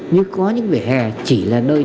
nhưng có những vỉa hè chỉ là nơi